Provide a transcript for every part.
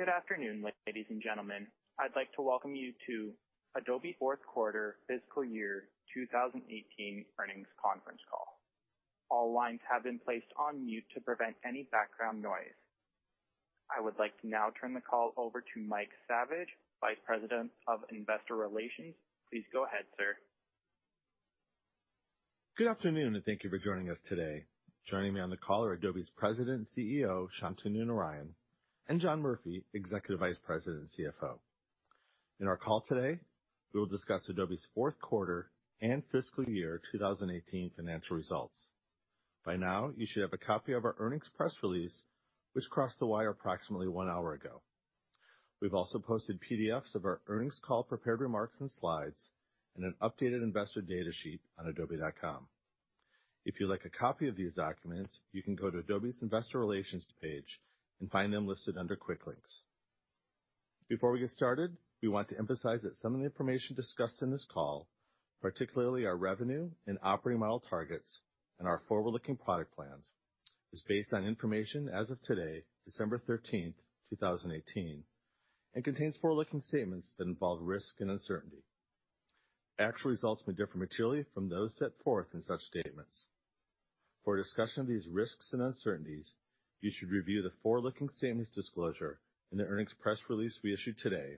Good afternoon, ladies and gentlemen. I'd like to welcome you to Adobe Fourth Quarter Fiscal Year 2018 Earnings Conference Call. All lines have been placed on mute to prevent any background noise. I would like to now turn the call over to Mike Savage, Vice President of Investor Relations. Please go ahead, sir. Good afternoon. Thank you for joining us today. Joining me on the call are Adobe's President and CEO, Shantanu Narayen, and John Murphy, Executive Vice President and CFO. In our call today, we will discuss Adobe's fourth quarter and fiscal year 2018 financial results. By now, you should have a copy of our earnings press release, which crossed the wire approximately one hour ago. We've also posted PDFs of our earnings call prepared remarks and slides, and an updated investor data sheet on adobe.com. If you'd like a copy of these documents, you can go to Adobe's Investor Relations page and find them listed under Quick Links. Before we get started, we want to emphasize that some of the information discussed in this call, particularly our revenue and operating model targets and our forward-looking product plans, is based on information as of today, December 13th, 2018, and contains forward-looking statements that involve risk and uncertainty. Actual results may differ materially from those set forth in such statements. For a discussion of these risks and uncertainties, you should review the forward-looking statements disclosure in the earnings press release we issued today,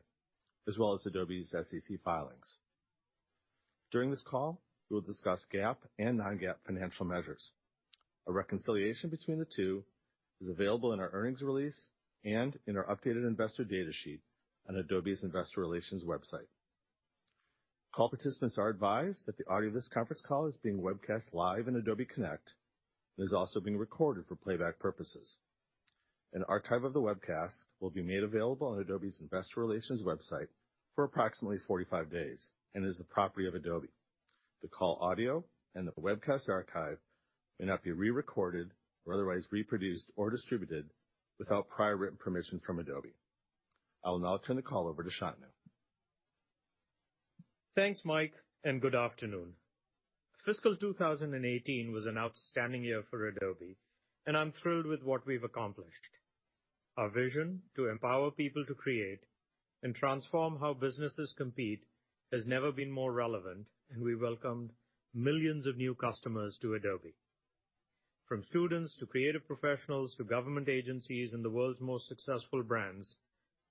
as well as Adobe's SEC filings. During this call, we will discuss GAAP and non-GAAP financial measures. A reconciliation between the two is available in our earnings release and in our updated investor data sheet on Adobe's Investor Relations website. Call participants are advised that the audio of this conference call is being webcast live on Adobe Connect and is also being recorded for playback purposes. An archive of the webcast will be made available on Adobe's Investor Relations website for approximately 45 days and is the property of Adobe. The call audio and the webcast archive may not be re-recorded or otherwise reproduced or distributed without prior written permission from Adobe. I will now turn the call over to Shantanu. Thanks, Mike, and good afternoon. Fiscal 2018 was an outstanding year for Adobe, and I'm thrilled with what we've accomplished. Our vision to empower people to create and transform how businesses compete has never been more relevant, and we welcomed millions of new customers to Adobe. From students to creative professionals to government agencies and the world's most successful brands,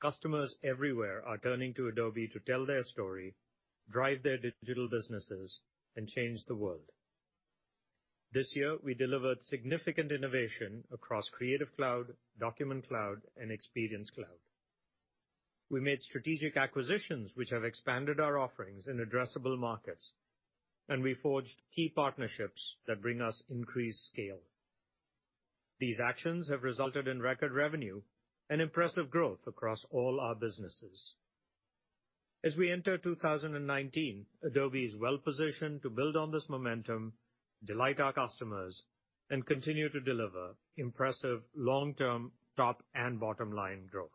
customers everywhere are turning to Adobe to tell their story, drive their digital businesses, and change the world. This year, we delivered significant innovation across Creative Cloud, Document Cloud, and Experience Cloud. We made strategic acquisitions which have expanded our offerings in addressable markets, and we forged key partnerships that bring us increased scale. These actions have resulted in record revenue and impressive growth across all our businesses. As we enter 2019, Adobe is well positioned to build on this momentum, delight our customers, and continue to deliver impressive long-term top and bottom-line growth.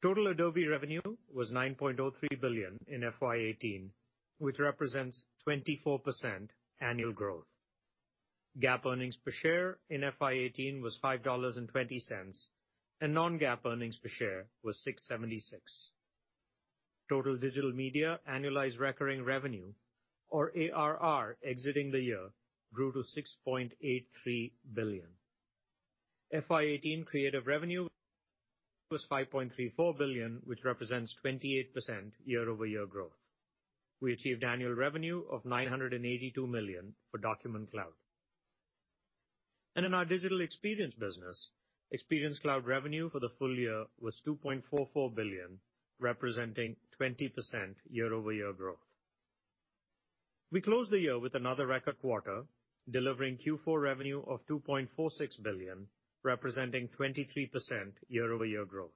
Total Adobe revenue was $9.03 billion in FY 2018, which represents 24% annual growth. GAAP earnings per share in FY 2018 was $5.20, and non-GAAP earnings per share was $6.76. Total digital media annualized recurring revenue, or ARR, exiting the year grew to $6.83 billion. FY 2018 creative revenue was $5.34 billion, which represents 28% year-over-year growth. We achieved annual revenue of $982 million for Document Cloud. In our Digital Experience business, Experience Cloud revenue for the full year was $2.44 billion, representing 20% year-over-year growth. We closed the year with another record quarter, delivering Q4 revenue of $2.46 billion, representing 23% year-over-year growth.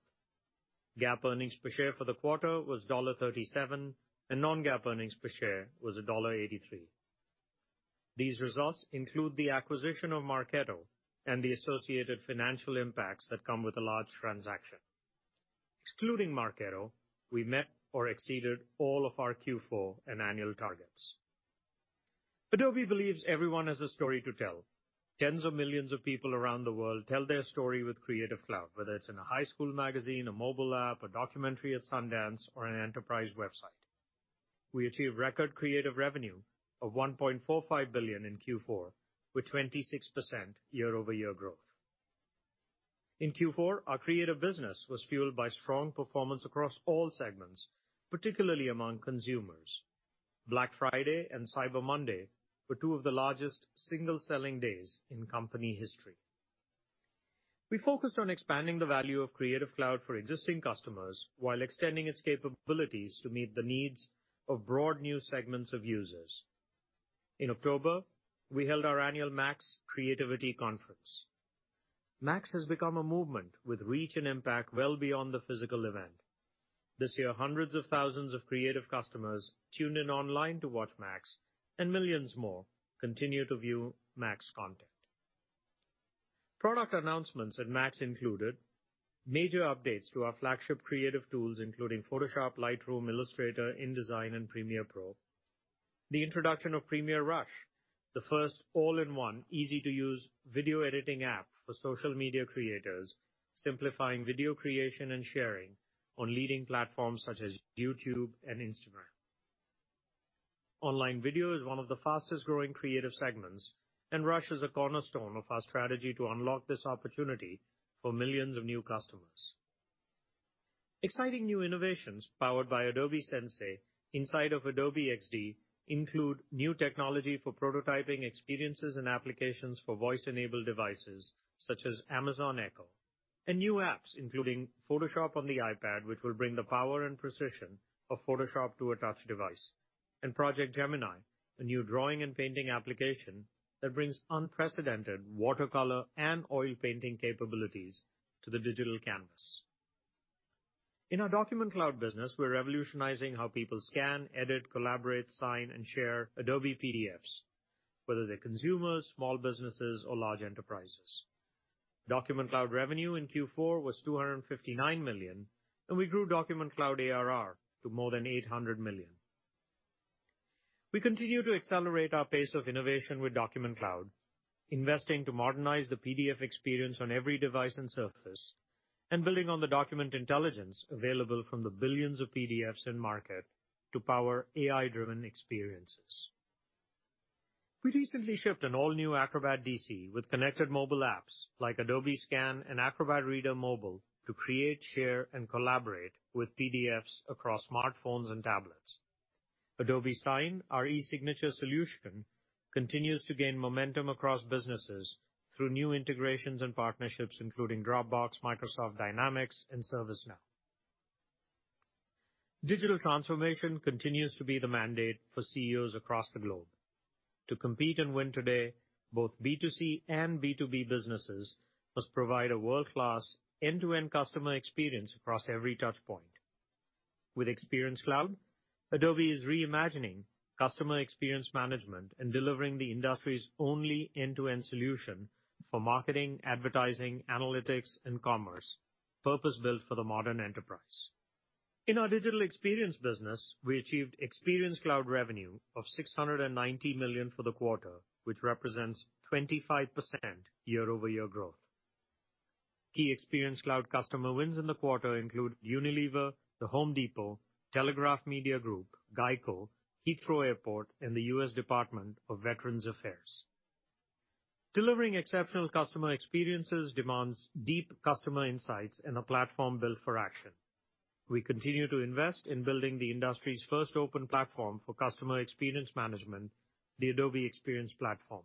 GAAP earnings per share for the quarter was $1.37, and non-GAAP earnings per share was $1.83. These results include the acquisition of Marketo and the associated financial impacts that come with a large transaction. Excluding Marketo, we met or exceeded all of our Q4 and annual targets. Adobe believes everyone has a story to tell. Tens of millions of people around the world tell their story with Creative Cloud, whether it's in a high school magazine, a mobile app, a documentary at Sundance, or an enterprise website. We achieved record creative revenue of $1.45 billion in Q4, with 26% year-over-year growth. In Q4, our Creative business was fueled by strong performance across all segments, particularly among consumers. Black Friday and Cyber Monday were two of the largest single selling days in company history. We focused on expanding the value of Creative Cloud for existing customers while extending its capabilities to meet the needs of broad new segments of users. In October, we held our annual Max Creativity Conference. Max has become a movement with reach and impact well beyond the physical event. This year, hundreds of thousands of creative customers tuned in online to watch Max, and millions more continue to view Max content. Product announcements at Max included major updates to our flagship creative tools, including Photoshop, Lightroom, Illustrator, InDesign, and Premiere Pro. The introduction of Premiere Rush, the first all-in-one easy-to-use video editing app for social media creators, simplifying video creation and sharing on leading platforms such as YouTube and Instagram. Online video is one of the fastest-growing creative segments, Rush is a cornerstone of our strategy to unlock this opportunity for millions of new customers. Exciting new innovations powered by Adobe Sensei inside of Adobe XD include new technology for prototyping experiences and applications for voice-enabled devices such as Amazon Echo, new apps including Photoshop on the iPad, which will bring the power and precision of Photoshop to a touch device. Project Gemini, a new drawing and painting application that brings unprecedented watercolor and oil painting capabilities to the digital canvas. In our Document Cloud business, we're revolutionizing how people scan, edit, collaborate, sign, and share Adobe PDFs, whether they're consumers, small businesses, or large enterprises. Document Cloud revenue in Q4 was $259 million, and we grew Document Cloud ARR to more than $800 million. We continue to accelerate our pace of innovation with Document Cloud, investing to modernize the PDF experience on every device and surface, and building on the document intelligence available from the billions of PDFs in market to power AI-driven experiences. We recently shipped an all-new Acrobat DC with connected mobile apps like Adobe Scan and Acrobat Reader Mobile to create, share, and collaborate with PDFs across smartphones and tablets. Adobe Sign, our e-signature solution, continues to gain momentum across businesses through new integrations and partnerships including Dropbox, Microsoft Dynamics, and ServiceNow. Digital transformation continues to be the mandate for CEOs across the globe. To compete and win today, both B2C and B2B businesses must provide a world-class end-to-end customer experience across every touch point. With Experience Cloud, Adobe is reimagining customer experience management and delivering the industry's only end-to-end solution for marketing, advertising, analytics, and commerce, purpose-built for the modern enterprise. In our Digital Experience business, we achieved Experience Cloud revenue of $690 million for the quarter, which represents 25% year-over-year growth. Key Experience Cloud customer wins in the quarter include Unilever, The Home Depot, Telegraph Media Group, GEICO, Heathrow Airport, and the U.S. Department of Veterans Affairs. Delivering exceptional customer experiences demands deep customer insights and a platform built for action. We continue to invest in building the industry's first open platform for customer experience management, the Adobe Experience Platform.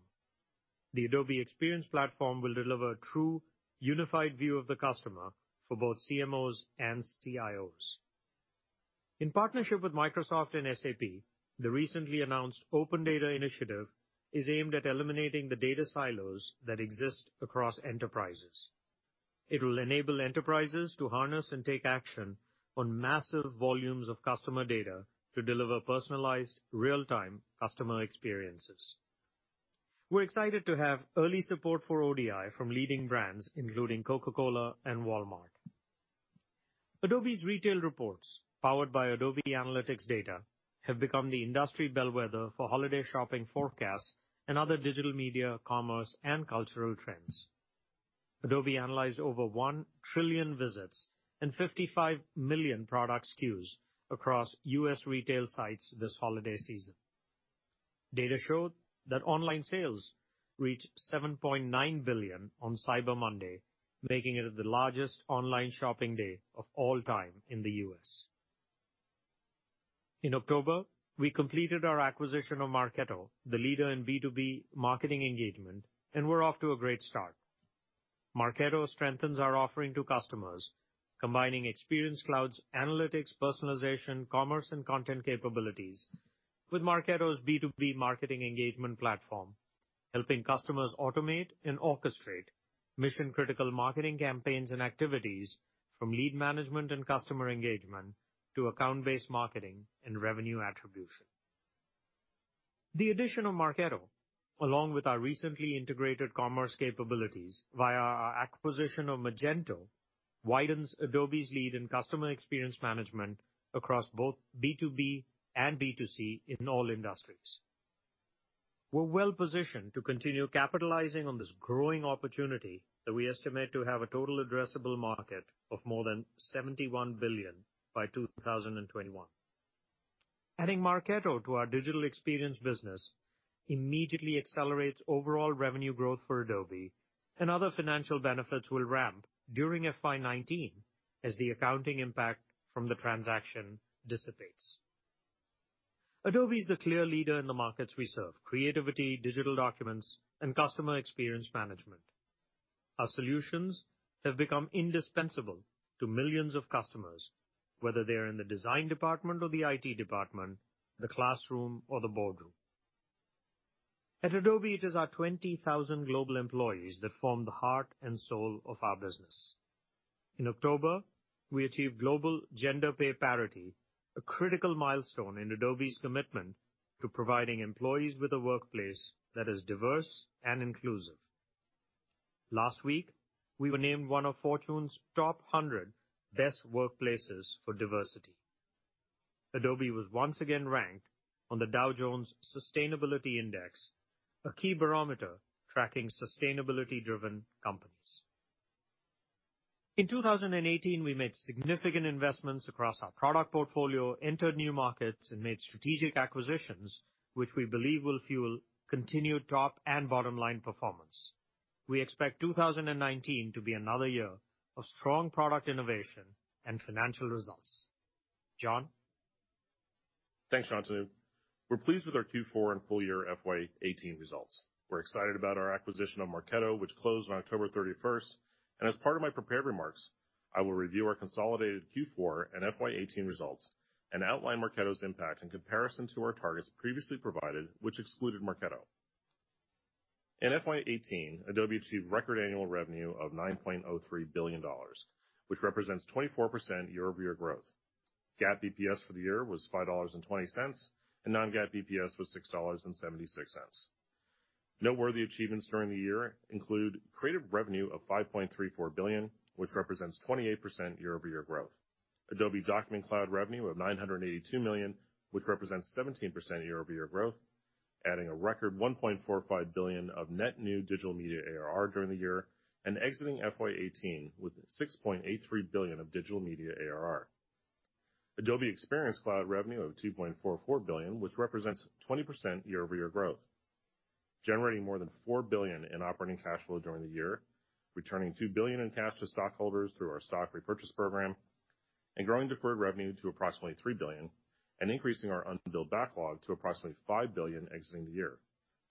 The Adobe Experience Platform will deliver a true unified view of the customer for both CMOs and CIOs. In partnership with Microsoft and SAP, the recently announced Open Data Initiative is aimed at eliminating the data silos that exist across enterprises. It will enable enterprises to harness and take action on massive volumes of customer data to deliver personalized, real-time customer experiences. We're excited to have early support for ODI from leading brands including Coca-Cola and Walmart. Adobe's retail reports, powered by Adobe analytics data, have become the industry bellwether for holiday shopping forecasts and other digital media, commerce, and cultural trends. Adobe analyzed over one trillion visits and 55 million product SKUs across U.S. retail sites this holiday season. Data showed that online sales reached $7.9 billion on Cyber Monday, making it the largest online shopping day of all time in the U.S. In October, we completed our acquisition of Marketo, the leader in B2B marketing engagement, and we're off to a great start. Marketo strengthens our offering to customers, combining Experience Cloud's analytics, personalization, commerce, and content capabilities with Marketo's B2B marketing engagement platform, helping customers automate and orchestrate mission-critical marketing campaigns and activities from lead management and customer engagement to account-based marketing and revenue attribution. The addition of Marketo, along with our recently integrated commerce capabilities via our acquisition of Magento, widens Adobe's lead in customer experience management across both B2B and B2C in all industries. We're well-positioned to continue capitalizing on this growing opportunity that we estimate to have a total addressable market of more than $71 billion by 2021. Adding Marketo to our Digital Experience business immediately accelerates overall revenue growth for Adobe, and other financial benefits will ramp during FY 2019 as the accounting impact from the transaction dissipates. Adobe is the clear leader in the markets we serve, creativity, digital documents, and customer experience management. Our solutions have become indispensable to millions of customers, whether they are in the design department or the IT department, the classroom or the boardroom. At Adobe, it is our 20,000 global employees that form the heart and soul of our business. In October, we achieved global gender pay parity, a critical milestone in Adobe's commitment to providing employees with a workplace that is diverse and inclusive. Last week, we were named one of Fortune's Top 100 Best Workplaces for Diversity. Adobe was once again ranked on the Dow Jones Sustainability Index, a key barometer tracking sustainability-driven companies. In 2018, we made significant investments across our product portfolio, entered new markets, and made strategic acquisitions, which we believe will fuel continued top and bottom-line performance. We expect 2019 to be another year of strong product innovation and financial results. John? Thanks, Shantanu. We're pleased with our Q4 and full year FY 2018 results. We're excited about our acquisition of Marketo, which closed on October 31st. As part of my prepared remarks, I will review our consolidated Q4 and FY 2018 results and outline Marketo's impact in comparison to our targets previously provided, which excluded Marketo. In FY 2018, Adobe achieved record annual revenue of $9.03 billion, which represents 24% year-over-year growth. GAAP EPS for the year was $5.20, and non-GAAP EPS was $6.76. Noteworthy achievements during the year include creative revenue of $5.34 billion, which represents 28% year-over-year growth. Adobe Document Cloud revenue of $982 million, which represents 17% year-over-year growth, adding a record $1.45 billion of net new Digital Media ARR during the year, and exiting FY 2018 with $6.83 billion of Digital Media ARR. Adobe Experience Cloud revenue of $2.44 billion, which represents 20% year-over-year growth. Generating more than $4 billion in operating cash flow during the year, returning $2 billion in cash to stockholders through our stock repurchase program, and growing deferred revenue to approximately $3 billion, and increasing our unbilled backlog to approximately $5 billion exiting the year.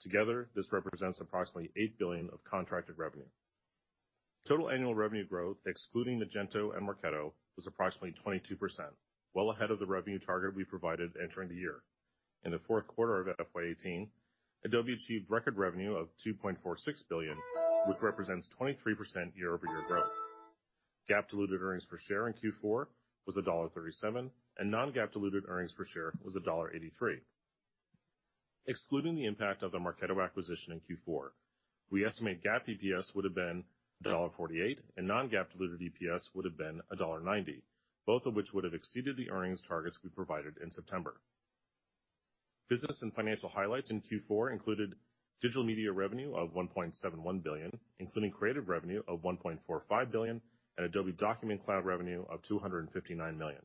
Together, this represents approximately $8 billion of contracted revenue. Total annual revenue growth, excluding Magento and Marketo, was approximately 22%, well ahead of the revenue target we provided entering the year. In the fourth quarter of FY 2018, Adobe achieved record revenue of $2.46 billion, which represents 23% year-over-year growth. GAAP diluted earnings per share in Q4 was $1.37, and non-GAAP diluted earnings per share was $1.83. Excluding the impact of the Marketo acquisition in Q4, we estimate GAAP EPS would've been $1.48, and non-GAAP diluted EPS would've been $1.90, both of which would have exceeded the earnings targets we provided in September. Business and financial highlights in Q4 included Digital Media revenue of $1.71 billion, including Creative revenue of $1.45 billion, and Adobe Document Cloud revenue of $259 million.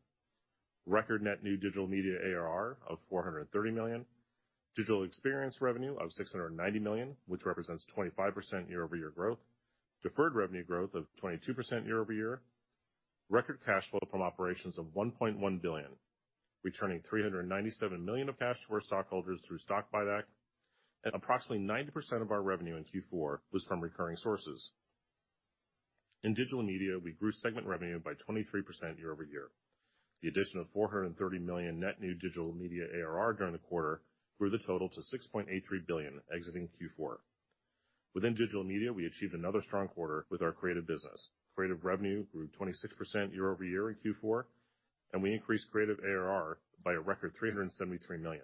Record net new Digital Media ARR of $430 million, Digital Experience revenue of $690 million, which represents 25% year-over-year growth, deferred revenue growth of 22% year-over-year, record cash flow from operations of $1.1 billion, returning $397 million of cash to our stockholders through stock buyback, and approximately 90% of our revenue in Q4 was from recurring sources. In Digital Media, we grew segment revenue by 23% year-over-year. The addition of $430 million net new Digital Media ARR during the quarter grew the total to $6.83 billion exiting Q4. Within Digital Media, we achieved another strong quarter with our Creative business. Creative revenue grew 26% year-over-year in Q4, and we increased Creative ARR by a record $373 million.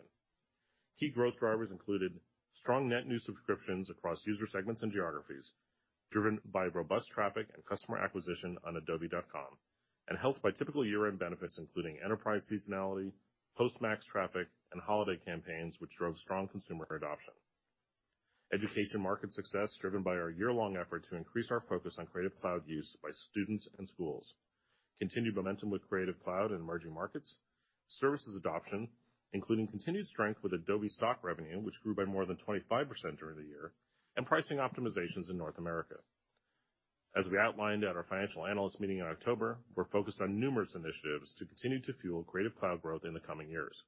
Key growth drivers included strong net new subscriptions across user segments and geographies, driven by robust traffic and customer acquisition on adobe.com, and helped by typical year-end benefits, including enterprise seasonality, post-MAX traffic, and holiday campaigns, which drove strong consumer adoption. Education market success driven by our year-long effort to increase our focus on Creative Cloud use by students and schools, continued momentum with Creative Cloud in emerging markets, services adoption, including continued strength with Adobe Stock revenue, which grew by more than 25% during the year, and pricing optimizations in North America. As we outlined at our financial analyst meeting in October, we are focused on numerous initiatives to continue to fuel Creative Cloud growth in the coming years.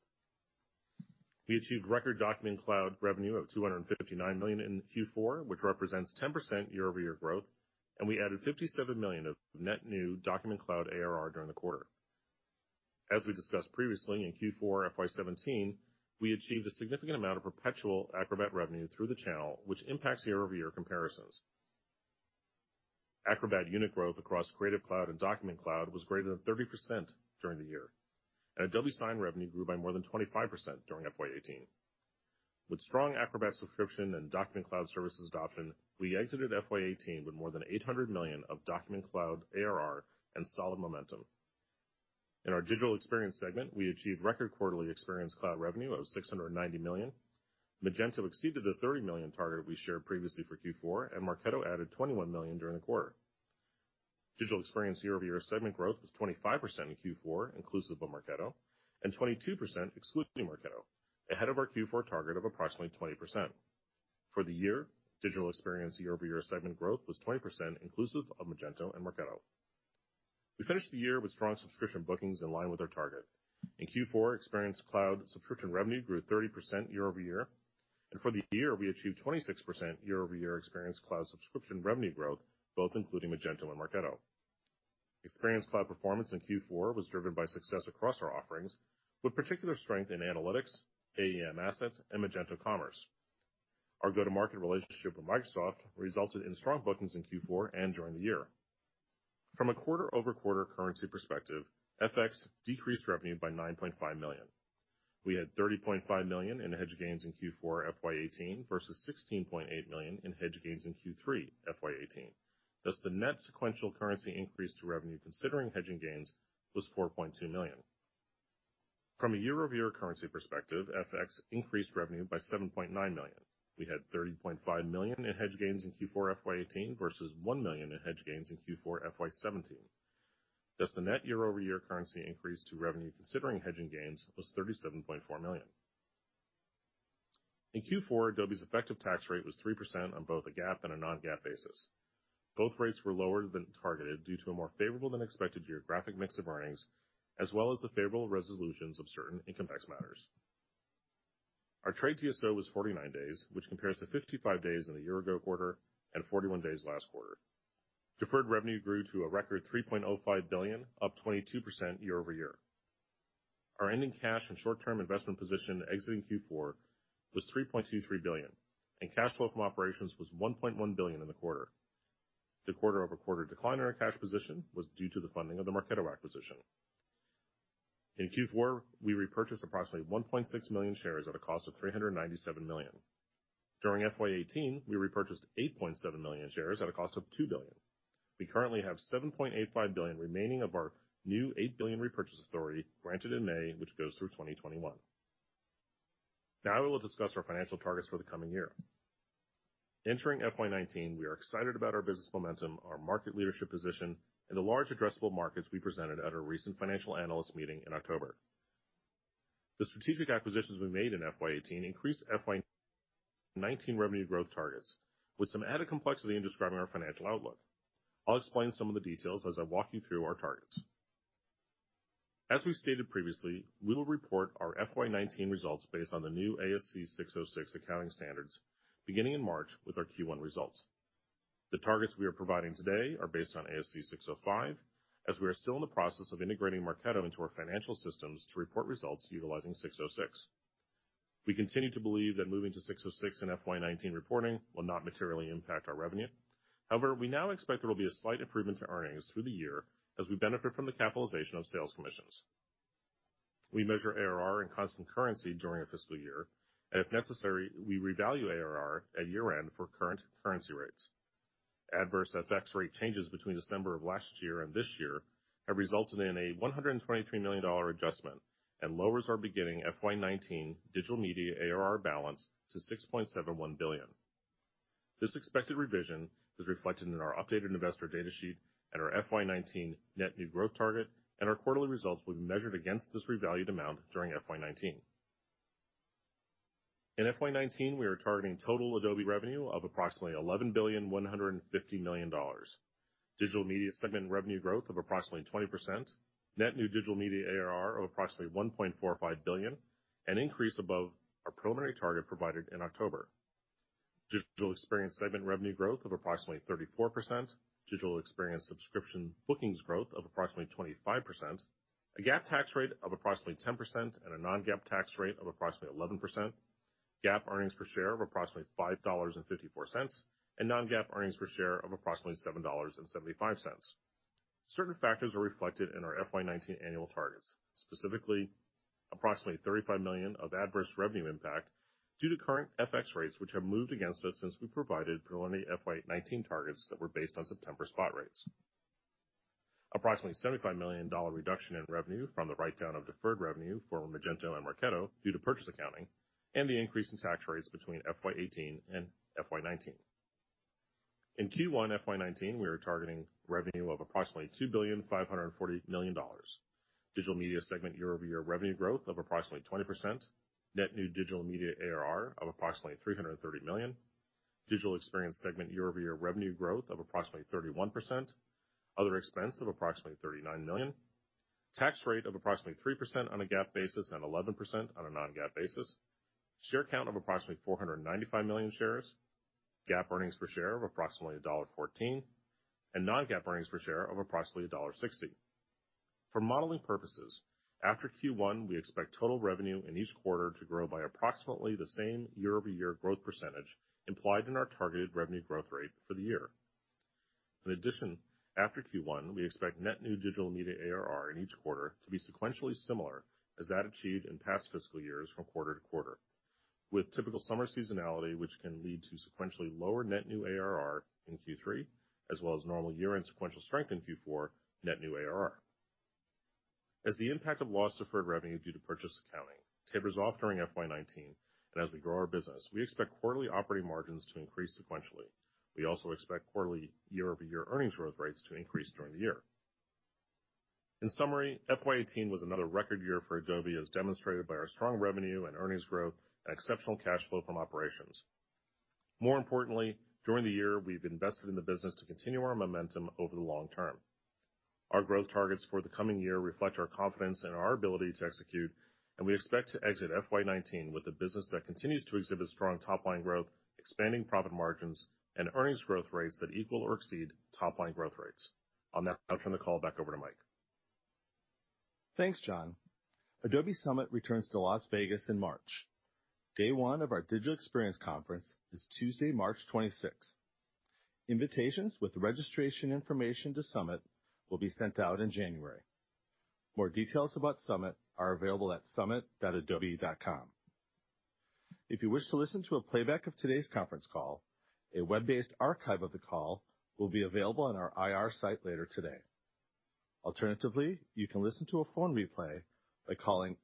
We achieved record Document Cloud revenue of $259 million in Q4, which represents 10% year-over-year growth, and we added $57 million of net new Document Cloud ARR during the quarter. As we discussed previously, in Q4 FY 2017, we achieved a significant amount of perpetual Acrobat revenue through the channel, which impacts year-over-year comparisons. Acrobat unit growth across Creative Cloud and Document Cloud was greater than 30% during the year, and Adobe Sign revenue grew by more than 25% during FY 2018. With strong Acrobat subscription and Document Cloud services adoption, we exited FY 2018 with more than $800 million of Document Cloud ARR and solid momentum. In our Digital Experience segment, we achieved record quarterly Experience Cloud revenue of $690 million. Magento exceeded the $30 million target we shared previously for Q4, and Marketo added $21 million during the quarter. Digital Experience year-over-year segment growth was 25% in Q4, inclusive of Marketo, and 22% exclusive of Marketo, ahead of our Q4 target of approximately 20%. For the year, Digital Experience year-over-year segment growth was 20% inclusive of Magento and Marketo. We finished the year with strong subscription bookings in line with our target. In Q4, Experience Cloud subscription revenue grew 30% year-over-year, and for the year, we achieved 26% year-over-year Experience Cloud subscription revenue growth, both including Magento and Marketo. Experience Cloud performance in Q4 was driven by success across our offerings, with particular strength in analytics, AEM Assets, and Adobe Commerce. Our go-to-market relationship with Microsoft resulted in strong bookings in Q4 and during the year. From a quarter-over-quarter currency perspective, FX decreased revenue by $9.5 million. We had $30.5 million in hedge gains in Q4 FY 2018 versus $16.8 million in hedge gains in Q3 FY 2018, thus the net sequential currency increase to revenue considering hedging gains was $4.2 million. From a year-over-year currency perspective, FX increased revenue by $7.9 million. We had $30.5 million in hedge gains in Q4 FY 2018 versus $1 million in hedge gains in Q4 FY 2017. The net year-over-year currency increase to revenue considering hedging gains was $37.4 million. In Q4, Adobe's effective tax rate was 3% on both a GAAP and a non-GAAP basis. Both rates were lower than targeted due to a more favorable than expected geographic mix of earnings, as well as the favorable resolutions of certain income tax matters. Our trade DSO was 49 days, which compares to 55 days in the year-ago quarter and 41 days last quarter. Deferred revenue grew to a record $3.05 billion, up 22% year-over-year. Our ending cash and short-term investment position exiting Q4 was $3.23 billion, and cash flow from operations was $1.1 billion in the quarter. The quarter-over-quarter decline in our cash position was due to the funding of the Marketo acquisition. In Q4, we repurchased approximately 1.6 million shares at a cost of $397 million. During FY 2018, we repurchased 8.7 million shares at a cost of $2 billion. We currently have $7.85 billion remaining of our new $8 billion repurchase authority granted in May, which goes through 2021. We will discuss our financial targets for the coming year. Entering FY 2019, we are excited about our business momentum, our market leadership position, and the large addressable markets we presented at our recent financial analyst meeting in October. The strategic acquisitions we made in FY 2018 increased FY 2019 revenue growth targets, with some added complexity in describing our financial outlook. I will explain some of the details as I walk you through our targets. As we stated previously, we will report our FY 2019 results based on the new ASC 606 accounting standards beginning in March with our Q1 results. The targets we are providing today are based on ASC 605, as we are still in the process of integrating Marketo into our financial systems to report results utilizing 606. We continue to believe that moving to 606 in FY 2019 reporting will not materially impact our revenue. We now expect there will be a slight improvement to earnings through the year as we benefit from the capitalization of sales commissions. We measure ARR and constant currency during a fiscal year, and if necessary, we revalue ARR at year-end for current currency rates. Adverse FX rate changes between December of last year and this year have resulted in a $123 million adjustment and lowers our beginning FY 2019 Digital Media ARR balance to $6.71 billion. This expected revision is reflected in our updated investor data sheet and our FY 2019 net new growth target. Our quarterly results will be measured against this revalued amount during FY 2019. In FY 2019, we are targeting total Adobe revenue of approximately $11 billion, $150 million. Digital Media segment revenue growth of approximately 20%, net new Digital Media ARR of approximately $1.45 billion, an increase above our preliminary target provided in October. Digital Experience segment revenue growth of approximately 34%, Digital Experience subscription bookings growth of approximately 25%, a GAAP tax rate of approximately 10% and a non-GAAP tax rate of approximately 11%, GAAP earnings per share of approximately $5.54, and non-GAAP earnings per share of approximately $7.75. Certain factors are reflected in our FY 2019 annual targets, specifically approximately $35 million of adverse revenue impact due to current FX rates, which have moved against us since we provided preliminary FY 2019 targets that were based on September spot rates. Approximately $75 million reduction in revenue from the write-down of deferred revenue for Magento and Marketo due to purchase accounting, and the increase in tax rates between FY 2018 and FY 2019. In Q1 FY 2019, we are targeting revenue of approximately $2.54 billion. Digital Media segment year-over-year revenue growth of approximately 20%, net new Digital Media ARR of approximately $330 million, Digital Experience segment year-over-year revenue growth of approximately 31%, other expense of approximately $39 million, tax rate of approximately 3% on a GAAP basis and 11% on a non-GAAP basis, share count of approximately 495 million shares, GAAP earnings per share of approximately $1.14, and non-GAAP earnings per share of approximately $1.60. For modeling purposes, after Q1, we expect total revenue in each quarter to grow by approximately the same year-over-year growth percentage implied in our targeted revenue growth rate for the year. In addition, after Q1, we expect net new Digital Media ARR in each quarter to be sequentially similar as that achieved in past fiscal years from quarter to quarter with typical summer seasonality, which can lead to sequentially lower net new ARR in Q3 as well as normal year-end sequential strength in Q4 net new ARR. As the impact of lost deferred revenue due to purchase accounting tapers off during FY 2019 and as we grow our business, we expect quarterly operating margins to increase sequentially. We also expect quarterly year-over-year earnings growth rates to increase during the year. In summary, FY 2018 was another record year for Adobe as demonstrated by our strong revenue and earnings growth and exceptional cash flow from operations. More importantly, during the year, we've invested in the business to continue our momentum over the long term. Our growth targets for the coming year reflect our confidence in our ability to execute, and we expect to exit FY 2019 with a business that continues to exhibit strong top-line growth, expanding profit margins, and earnings growth rates that equal or exceed top-line growth rates. On that note, I'll turn the call back over to Mike. Thanks, John. Adobe Summit returns to Las Vegas in March. Day one of our digital experience conference is Tuesday, March 26th. Invitations with registration information to Summit will be sent out in January. More details about Summit are available at summit.adobe.com. If you wish to listen to a playback of today's conference call, a web-based archive of the call will be available on our IR site later today. Alternatively, you can listen to a phone replay by calling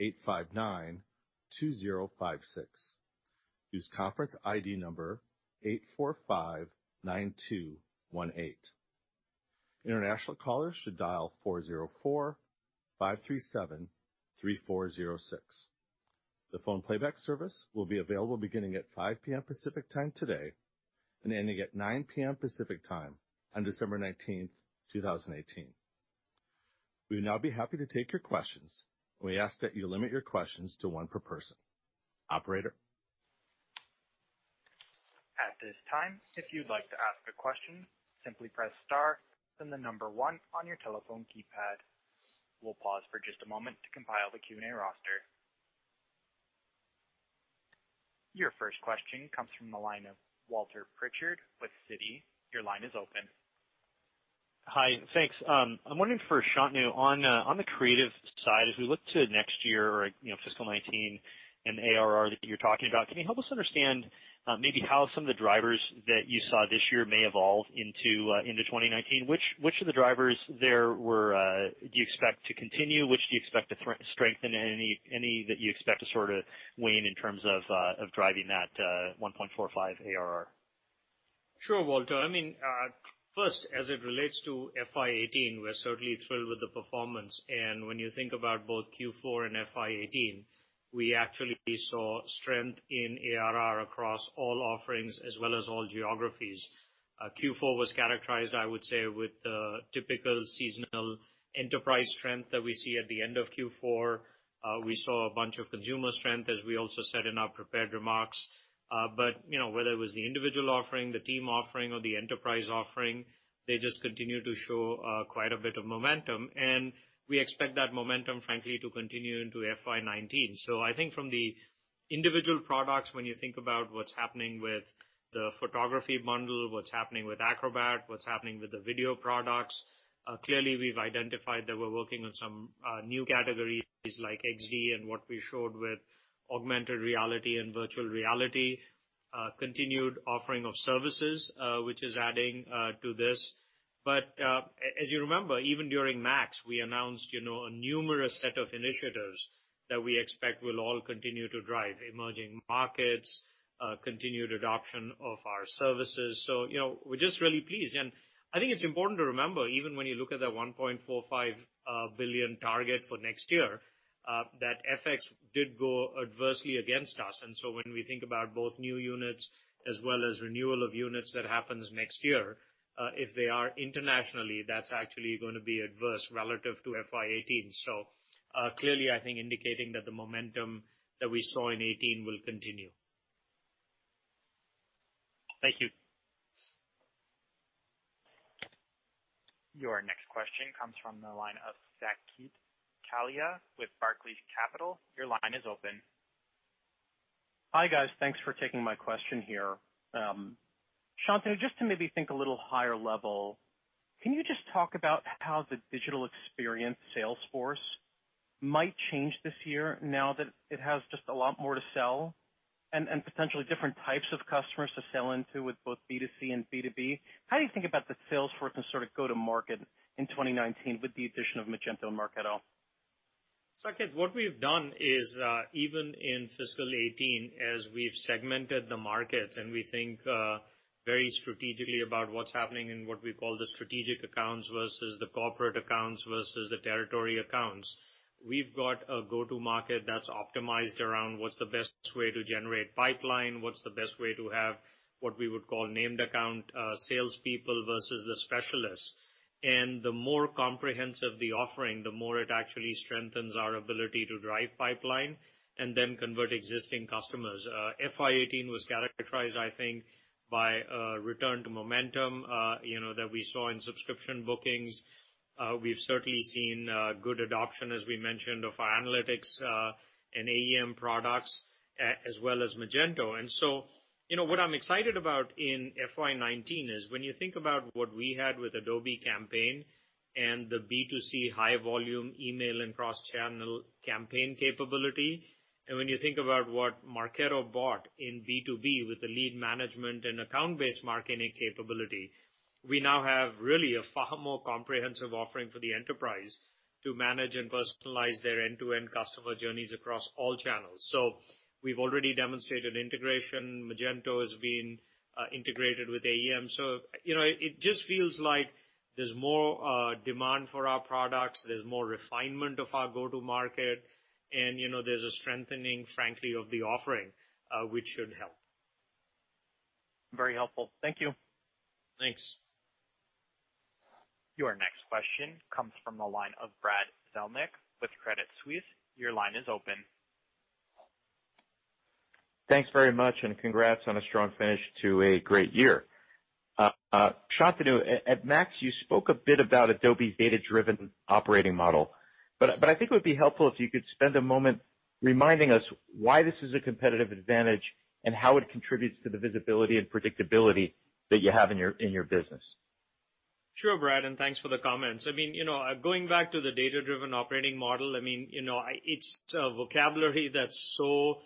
855-859-2056. Use conference ID number 8459218. International callers should dial 404-537-3406. The phone playback service will be available beginning at 5:00 P.M. Pacific Time today and ending at 9:00 P.M. Pacific Time on December 19th, 2018. We will now be happy to take your questions, and we ask that you limit your questions to one per person. Operator? At this time, if you'd like to ask a question, simply press star, then the number one on your telephone keypad. We'll pause for just a moment to compile the Q&A roster. Your first question comes from the line of Walter Pritchard with Citi. Your line is open. Hi. Thanks. I'm wondering for Shantanu, on the creative side, as we look to next year or fiscal 2019 and the ARR that you're talking about, can you help us understand maybe how some of the drivers that you saw this year may evolve into 2019? Which of the drivers there do you expect to continue? Which do you expect to strengthen? Any that you expect to sort of wane in terms of driving that $1.45 ARR? Sure, Walter. First, as it relates to FY 2018, we're certainly thrilled with the performance. When you think about both Q4 and FY 2018, we actually saw strength in ARR across all offerings as well as all geographies. Q4 was characterized, I would say, with the typical seasonal enterprise strength that we see at the end of Q4. We saw a bunch of consumer strength, as we also said in our prepared remarks. Whether it was the individual offering, the team offering or the enterprise offering, they just continue to show quite a bit of momentum. We expect that momentum, frankly, to continue into FY 2019. I think from the individual products, when you think about what's happening with the photography bundle, what's happening with Acrobat, what's happening with the video products, clearly we've identified that we're working on some new categories like Adobe XD and what we showed with augmented reality and virtual reality, continued offering of services, which is adding to this. As you remember, even during Adobe MAX, we announced a numerous set of initiatives that we expect will all continue to drive emerging markets, continued adoption of our services. We're just really pleased. I think it's important to remember, even when you look at the $1.45 billion target for next year, that FX did go adversely against us. When we think about both new units as well as renewal of units that happens next year, if they are internationally, that's actually going to be adverse relative to FY 2018. Clearly I think indicating that the momentum that we saw in 2018 will continue. Thank you. Your next question comes from the line of Saket Kalia with Barclays Capital. Your line is open. Hi, guys. Thanks for taking my question here. Shantanu, just to maybe think a little higher level, can you just talk about how the digital experience sales force might change this year now that it has just a lot more to sell and potentially different types of customers to sell into with both B2C and B2B? How do you think about the sales force and sort of go to market in 2019 with the addition of Magento and Marketo? Saket, what we've done is, even in fiscal 2018, as we've segmented the markets and we think very strategically about what's happening in what we call the strategic accounts versus the corporate accounts versus the territory accounts, we've got a go-to-market that's optimized around what's the best way to generate pipeline, what's the best way to have what we would call named account salespeople versus the specialists. The more comprehensive the offering, the more it actually strengthens our ability to drive pipeline and then convert existing customers. FY 2018 was characterized, I think, by a return to momentum that we saw in subscription bookings. We've certainly seen good adoption, as we mentioned, of our analytics and AEM products, as well as Magento. What I'm excited about in FY 2019 is when you think about what we had with Adobe Campaign and the B2C high volume email and cross-channel campaign capability, and when you think about what Marketo bought in B2B with the lead management and account-based marketing capability, we now have really a far more comprehensive offering for the enterprise to manage and personalize their end-to-end customer journeys across all channels. We've already demonstrated integration. Magento has been integrated with AEM. It just feels like there's more demand for our products, there's more refinement of our go-to market, and there's a strengthening, frankly, of the offering, which should help. Very helpful. Thank you. Thanks. Your next question comes from the line of Brad Zelnick with Credit Suisse. Your line is open Thanks very much, congrats on a strong finish to a great year. Shantanu, at Adobe MAX you spoke a bit about Adobe's data-driven operating model, I think it would be helpful if you could spend a moment reminding us why this is a competitive advantage and how it contributes to the visibility and predictability that you have in your business. Sure, Brad, thanks for the comments. Going back to the data-driven operating model, it's a vocabulary that's so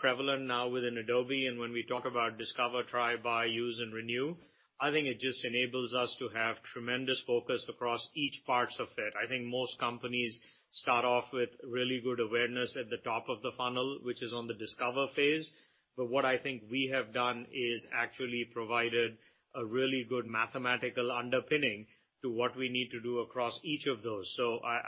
prevalent now within Adobe. When we talk about discover, try, buy, use and renew, I think it just enables us to have tremendous focus across each part of it. I think most companies start off with really good awareness at the top of the funnel, which is on the discover phase. What I think we have done is actually provided a really good mathematical underpinning to what we need to do across each of those.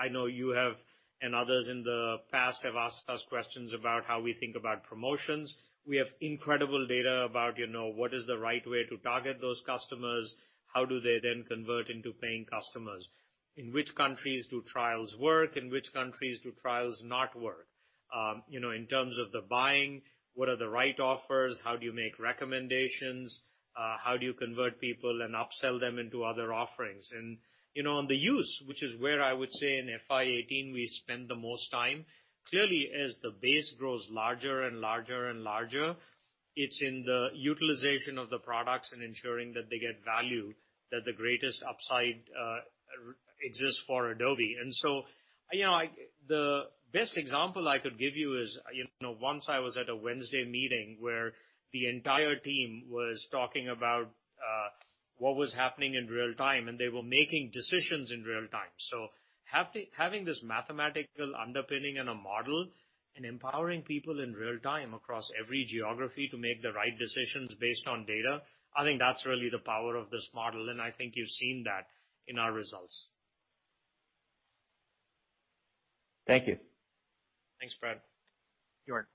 I know you have, and others in the past have asked us questions about how we think about promotions. We have incredible data about what is the right way to target those customers, how do they then convert into paying customers? In which countries do trials work? In which countries do trials not work? In terms of the buying, what are the right offers? How do you make recommendations? How do you convert people and upsell them into other offerings? On the use, which is where I would say in FY 2018 we spend the most time, clearly as the base grows larger and larger and larger, it's in the utilization of the products and ensuring that they get value that the greatest upside exists for Adobe. The best example I could give you is, once I was at a Wednesday meeting where the entire team was talking about what was happening in real time, and they were making decisions in real time. Having this mathematical underpinning and a model and empowering people in real time across every geography to make the right decisions based on data, I think that's really the power of this model, and I think you've seen that in our results. Thank you. Thanks, Brad. Sure.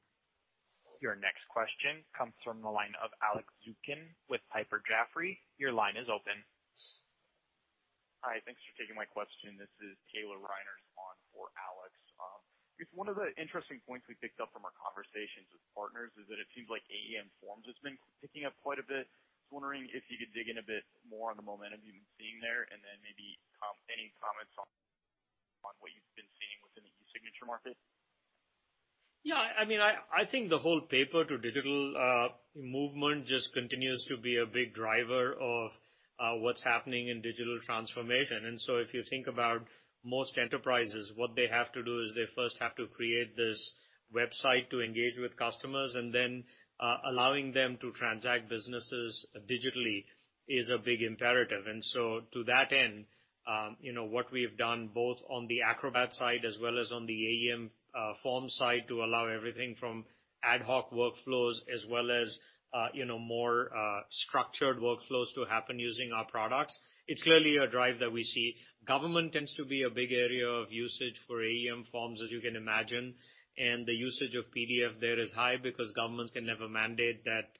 Your next question comes from the line of Alex Zukin with Piper Jaffray. Your line is open. Hi. Thanks for taking my question. This is Taylor Reiners on for Alex. I guess one of the interesting points we picked up from our conversations with partners is that it seems like AEM Forms has been picking up quite a bit. Just wondering if you could dig in a bit more on the momentum you've been seeing there and then maybe any comments on what you've been seeing within the e-signature market. Yeah. I think the whole paper to digital movement just continues to be a big driver of what's happening in digital transformation. If you think about most enterprises, what they have to do is they first have to create this website to engage with customers, then allowing them to transact businesses digitally is a big imperative. To that end, what we have done both on the Acrobat side as well as on the AEM Forms side to allow everything from ad hoc workflows as well as more structured workflows to happen using our products, it's clearly a drive that we see. Government tends to be a big area of usage for AEM Forms, as you can imagine. The usage of PDF there is high because governments can never mandate that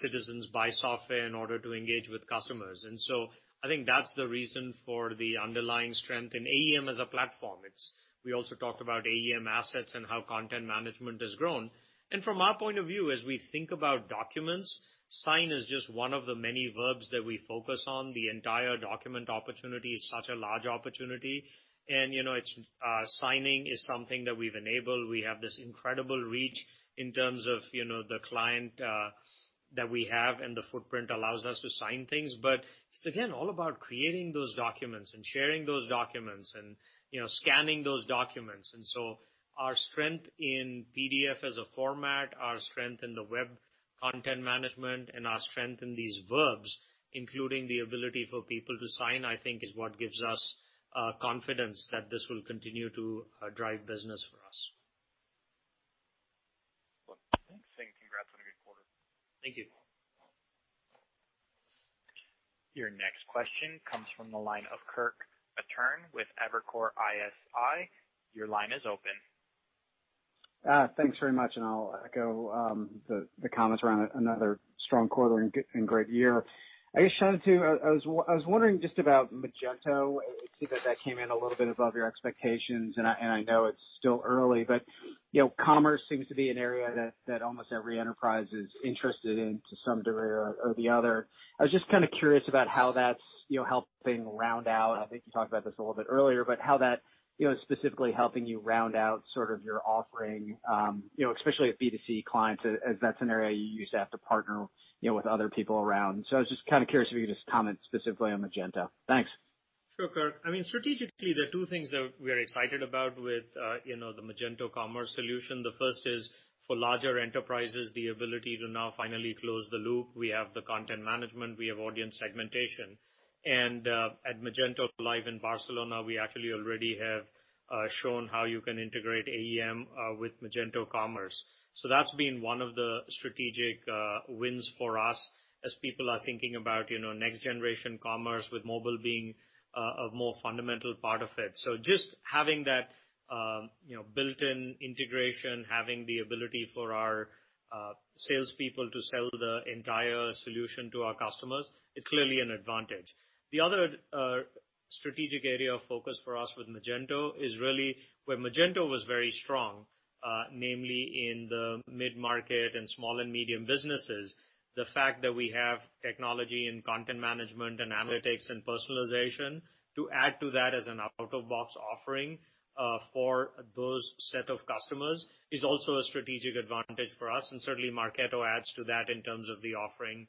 citizens buy software in order to engage with customers. I think that's the reason for the underlying strength in AEM as a platform. We also talked about AEM Assets and how content management has grown. From our point of view, as we think about documents, sign is just one of the many verbs that we focus on. The entire document opportunity is such a large opportunity, and signing is something that we've enabled. We have this incredible reach in terms of the client that we have, and the footprint allows us to sign things. It's again, all about creating those documents and sharing those documents and scanning those documents. Our strength in PDF as a format, our strength in the web content management, and our strength in these verbs, including the ability for people to sign, I think, is what gives us confidence that this will continue to drive business for us. Thanks. Congrats on a good quarter. Thank you. Your next question comes from the line of Kirk Materne with Evercore ISI. Your line is open. Thanks very much. I'll echo the comments around another strong quarter and great year. I guess, Shantanu, I was wondering just about Magento. It seems like that came in a little bit above your expectations, and I know it's still early, but commerce seems to be an area that almost every enterprise is interested in to some degree or the other. I was just kind of curious about how that's helping round out, I think you talked about this a little bit earlier, but how that is specifically helping you round out sort of your offering, especially at B2C clients, as that's an area you used to have to partner with other people around. I was just kind of curious if you could just comment specifically on Magento. Thanks. Sure, Kirk. Strategically, there are two things that we are excited about with the Magento Commerce solution. The first is for larger enterprises, the ability to now finally close the loop. We have the content management, we have audience segmentation. At MagentoLive in Barcelona, we actually already have shown how you can integrate AEM with Magento Commerce. That's been one of the strategic wins for us as people are thinking about next generation commerce, with mobile being a more fundamental part of it. Just having that built-in integration, having the ability for our salespeople to sell the entire solution to our customers, it's clearly an advantage. The other strategic area of focus for us with Magento is really where Magento was very strong, namely in the mid-market and small and medium businesses. The fact that we have technology and content management and analytics and personalization to add to that as an out-of-box offering for those set of customers is also a strategic advantage for us, and certainly Marketo adds to that in terms of the offering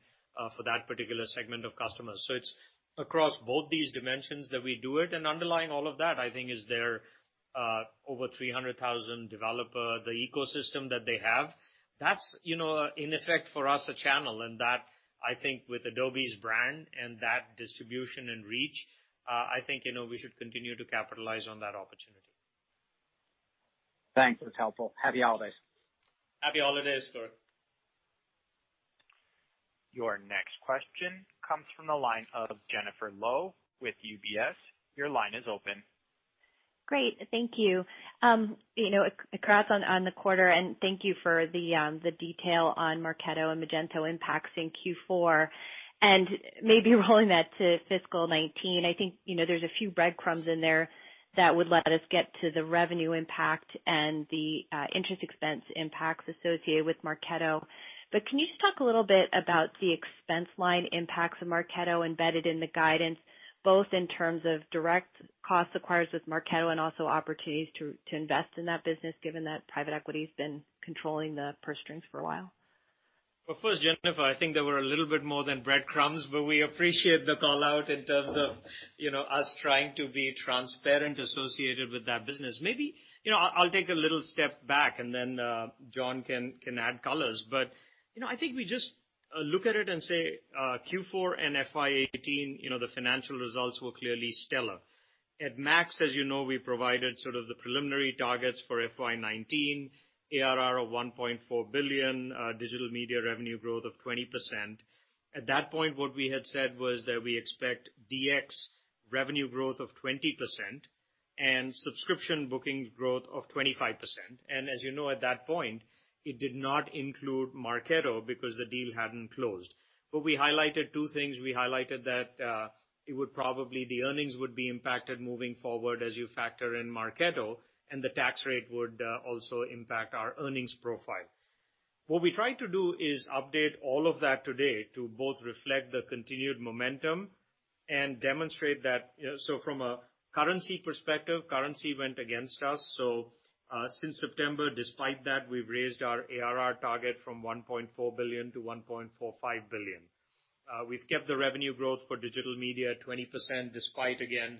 for that particular segment of customers. It's across both these dimensions that we do it, and underlying all of that, I think, is their over 300,000 developer, the ecosystem that they have. That's in effect for us a channel, and that, I think with Adobe's brand and that distribution and reach, I think, we should continue to capitalize on that opportunity. Thanks. That's helpful. Happy holidays. Happy holidays, Kirk. Your next question comes from the line of Jennifer Lowe with UBS. Your line is open. Great. Thank you. Across on the quarter, thank you for the detail on Marketo and Magento impacts in Q4. Maybe rolling that to fiscal 2019, I think there's a few breadcrumbs in there that would let us get to the revenue impact and the interest expense impacts associated with Marketo. Can you just talk a little bit about the expense line impacts of Marketo embedded in the guidance, both in terms of direct costs acquires with Marketo and also opportunities to invest in that business, given that private equity's been controlling the purse strings for a while? Well, first, Jennifer, I think there were a little bit more than breadcrumbs, but we appreciate the call-out in terms of us trying to be transparent associated with that business. I'll take a little step back, and then John can add colors. I think we just look at it and say Q4 and FY 2018, the financial results were clearly stellar. At Adobe MAX, as you know, we provided sort of the preliminary targets for FY 2019, ARR of $1.4 billion, digital media revenue growth of 20%. At that point, what we had said was that we expect DX revenue growth of 20% and subscription booking growth of 25%. As you know, at that point, it did not include Marketo because the deal hadn't closed. We highlighted two things. We highlighted that the earnings would be impacted moving forward as you factor in Marketo, and the tax rate would also impact our earnings profile. What we tried to do is update all of that today to both reflect the continued momentum and demonstrate that from a currency perspective, currency went against us. Since September, despite that, we've raised our ARR target from $1.4 billion-$1.45 billion. We've kept the revenue growth for digital media at 20%, despite, again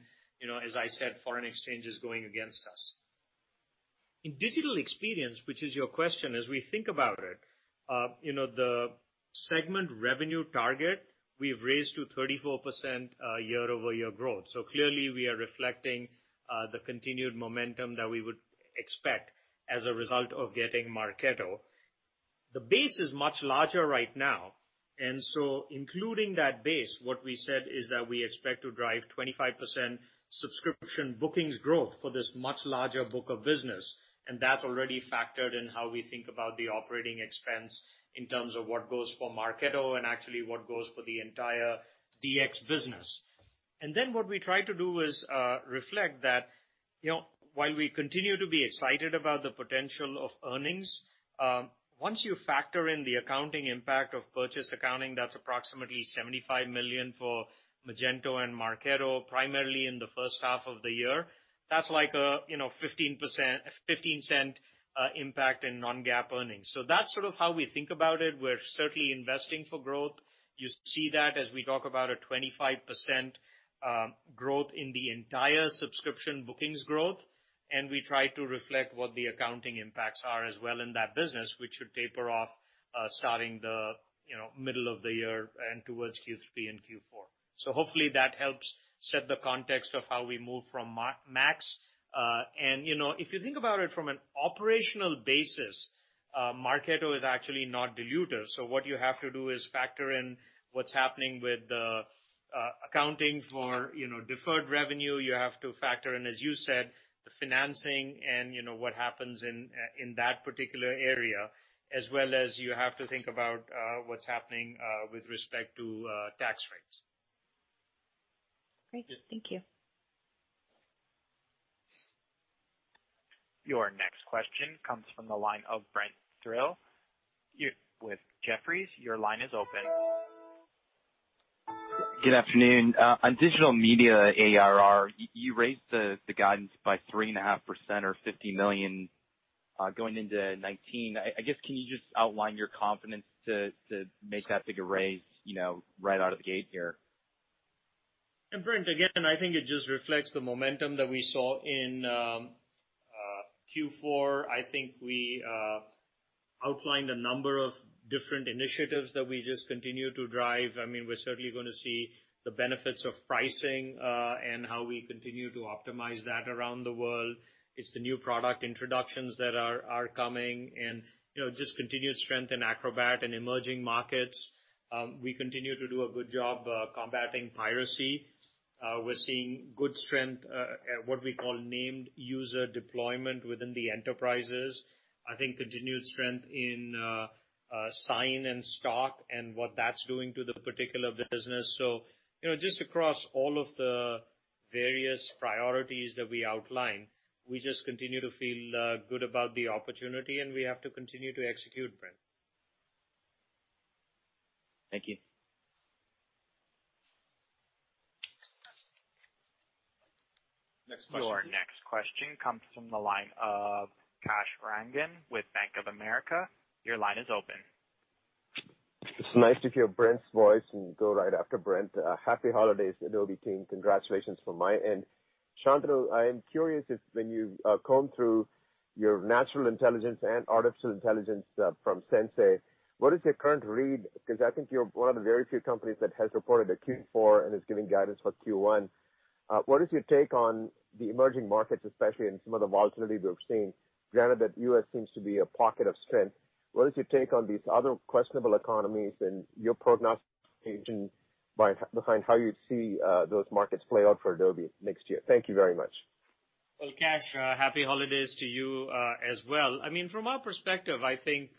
as I said, foreign exchange is going against us. In Digital Experience, which is your question, as we think about it the segment revenue target, we've raised to 34% year-over-year growth. Clearly, we are reflecting the continued momentum that we would expect as a result of getting Marketo. The base is much larger right now, and so including that base, what we said is that we expect to drive 25% subscription bookings growth for this much larger book of business, and that's already factored in how we think about the operating expense in terms of what goes for Marketo and actually what goes for the entire DX business. What we tried to do was reflect that while we continue to be excited about the potential of earnings, once you factor in the accounting impact of purchase accounting, that's approximately $75 million for Magento and Marketo, primarily in the first half of the year. That's like a $0.15 impact in non-GAAP earnings. That's sort of how we think about it. We're certainly investing for growth. You see that as we talk about a 25% growth in the entire subscription bookings growth, we try to reflect what the accounting impacts are as well in that business, which should taper off starting the middle of the year and towards Q3 and Q4. Hopefully, that helps set the context of how we move from Adobe MAX. If you think about it from an operational basis, Marketo is actually not dilutive. What you have to do is factor in what's happening with the accounting for deferred revenue. You have to factor in, as you said, the financing and what happens in that particular area, as well as you have to think about what's happening with respect to tax rates. Great. Thank you. Your next question comes from the line of Brent Thill with Jefferies. Your line is open. Good afternoon. On digital media ARR, you raised the guidance by 3.5% or $50 million going into 2019. Can you just outline your confidence to make that big a raise right out of the gate here? Brent, again, I think it just reflects the momentum that we saw in Q4. I think I outlined a number of different initiatives that we just continue to drive. We're certainly going to see the benefits of pricing, and how we continue to optimize that around the world. It's the new product introductions that are coming and just continued strength in Acrobat and emerging markets. We continue to do a good job combating piracy. We're seeing good strength at what we call named user deployment within the enterprises. I think continued strength in Sign and Stock and what that's doing to the particular business. Just across all of the various priorities that we outline, we just continue to feel good about the opportunity, and we have to continue to execute, Brent. Thank you. Next question, please. Your next question comes from the line of Kash Rangan with Bank of America. Your line is open. It's nice to hear Brent's voice and go right after Brent. Happy holidays, Adobe team. Congratulations from my end. Shantanu, I am curious if when you comb through your natural intelligence and artificial intelligence from Sensei, what is your current read? I think you're one of the very few companies that has reported a Q4 and is giving guidance for Q1. What is your take on the emerging markets, especially in some of the volatility we've seen, granted that U.S. seems to be a pocket of strength. What is your take on these other questionable economies and your prognostication behind how you see those markets play out for Adobe next year? Thank you very much. Well, Kash, happy holidays to you as well. From our perspective, I think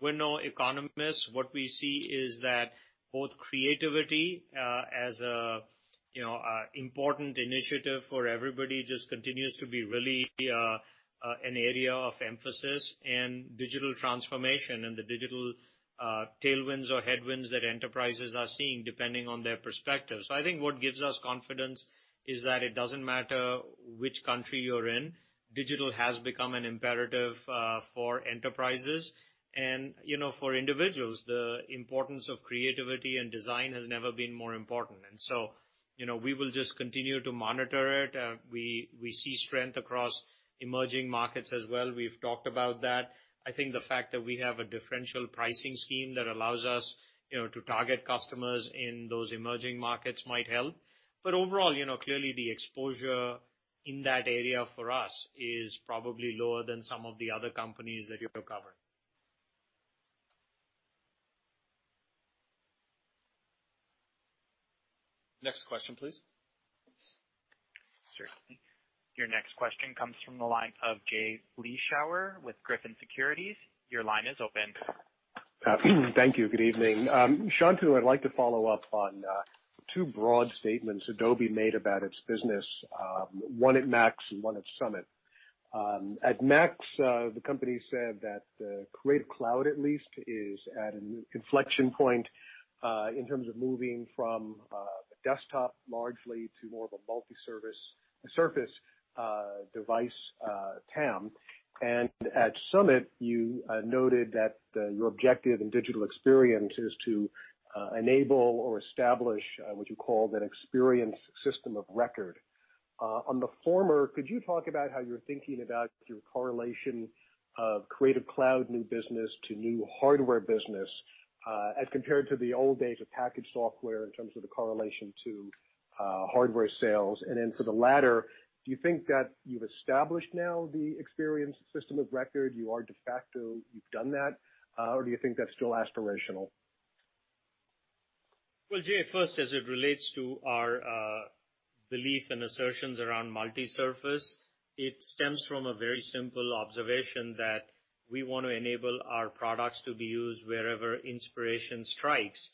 we're no economists. What we see is that both creativity as an important initiative for everybody just continues to be really an area of emphasis in digital transformation and the digital tailwinds or headwinds that enterprises are seeing, depending on their perspective. I think what gives us confidence is that it doesn't matter which country you're in, digital has become an imperative for enterprises and for individuals. The importance of creativity and design has never been more important. We will just continue to monitor it. We see strength across emerging markets as well. We've talked about that. I think the fact that we have a differential pricing scheme that allows us to target customers in those emerging markets might help. Overall, clearly the exposure in that area for us is probably lower than some of the other companies that you're covering. Next question, please. Certainly. Your next question comes from the line of Jay Vleeschhouwer with Griffin Securities. Your line is open. Thank you. Good evening. Shantanu, I'd like to follow up on two broad statements Adobe made about its business, one at MAX and one at Summit. At MAX, the company said that Creative Cloud, at least, is at an inflection point in terms of moving from a desktop largely to more of a multi-service surface device TAM. At Summit, you noted that your objective in digital experience is to enable or establish what you called an experience system of record. On the former, could you talk about how you're thinking about your correlation of Creative Cloud new business to new hardware business, as compared to the old days of packaged software in terms of the correlation to hardware sales? Then for the latter, do you think that you've established now the experience system of record, you are de facto, you've done that? Do you think that's still aspirational? Well, Jay, first, as it relates to our belief and assertions around multi-surface, it stems from a very simple observation that we want to enable our products to be used wherever inspiration strikes.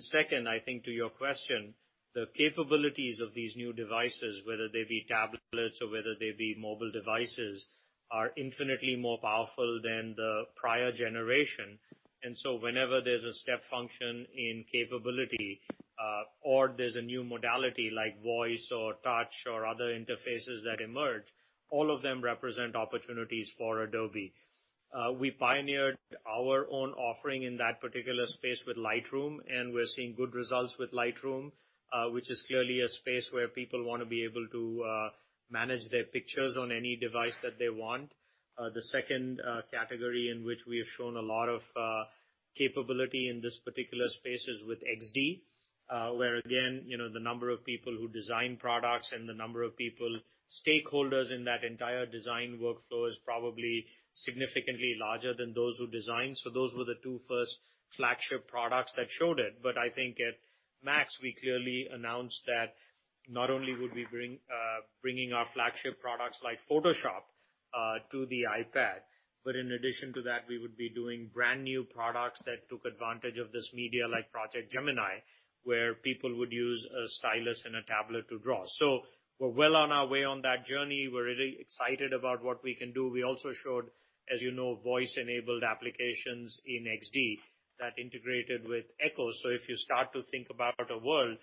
Second, I think, to your question, the capabilities of these new devices, whether they be tablets or whether they be mobile devices, are infinitely more powerful than the prior generation. Whenever there's a step function in capability or there's a new modality like voice or touch or other interfaces that emerge, all of them represent opportunities for Adobe. We pioneered our own offering in that particular space with Lightroom, and we're seeing good results with Lightroom, which is clearly a space where people want to be able to manage their pictures on any device that they want. The second category in which we have shown a lot of capability in this particular space is with XD, where again, the number of people who design products and the number of people, stakeholders in that entire design workflow is probably significantly larger than those who design. Those were the two first flagship products that showed it. I think at Adobe MAX, we clearly announced that not only would we be bringing our flagship products like Photoshop to the iPad, but in addition to that, we would be doing brand-new products that took advantage of this media, like Project Gemini, where people would use a stylus and a tablet to draw. We're well on our way on that journey. We're really excited about what we can do. We also showed, as you know, voice-enabled applications in XD that integrated with Echo. If you start to think about a world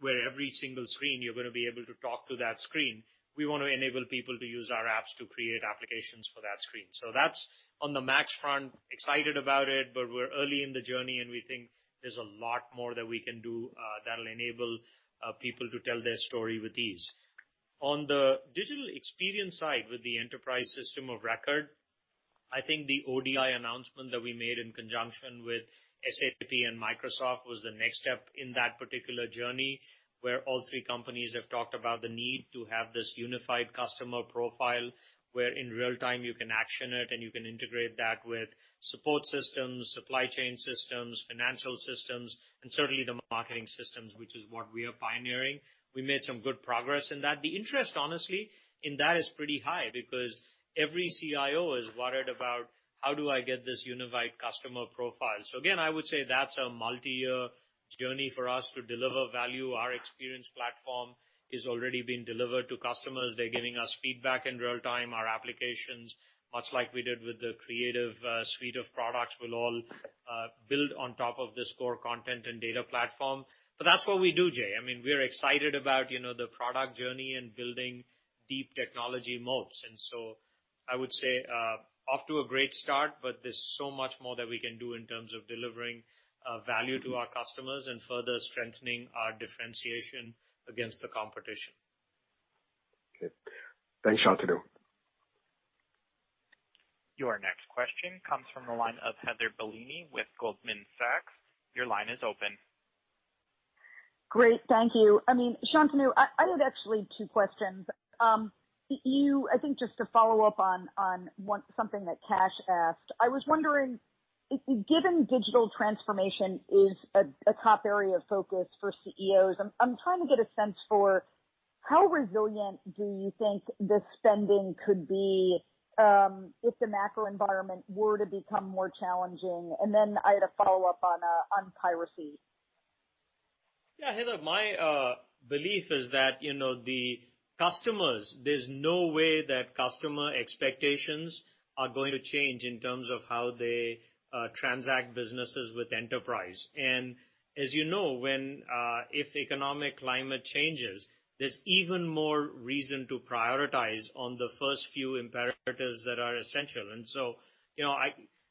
where every single screen you're going to be able to talk to that screen, we want to enable people to use our apps to create applications for that screen. That's on the Adobe MAX front, excited about it, but we're early in the journey, and we think there's a lot more that we can do that'll enable people to tell their story with ease. On the digital experience side with the enterprise system of record, I think the ODI announcement that we made in conjunction with SAP and Microsoft was the next step in that particular journey, where all three companies have talked about the need to have this unified customer profile, where in real-time you can action it and you can integrate that with support systems, supply chain systems, financial systems, and certainly the marketing systems, which is what we are pioneering. We made some good progress in that. The interest, honestly, in that is pretty high because every CIO is worried about how do I get this unified customer profile. Again, I would say that's a multi-year journey for us to deliver value. Our Experience Platform is already being delivered to customers. They're giving us feedback in real-time. Our applications, much like we did with the Creative Cloud of products, will all build on top of this core content and data platform. That's what we do, Jay. We're excited about the product journey and building deep technology moats. I would say, off to a great start, but there's so much more that we can do in terms of delivering value to our customers and further strengthening our differentiation against the competition. Okay. Thanks, Shantanu. Your next question comes from the line of Heather Bellini with Goldman Sachs. Your line is open. Great. Thank you. Shantanu, I had actually two questions. I think just to follow up on something that Kash asked, I was wondering, given digital transformation is a top area of focus for CEOs, I am trying to get a sense for how resilient do you think this spending could be, if the macro environment were to become more challenging? I had a follow-up on piracy. Yeah, Heather, my belief is that the customers, there is no way that customer expectations are going to change in terms of how they transact businesses with enterprise. As you know, if economic climate changes, there is even more reason to prioritize on the first few imperatives that are essential.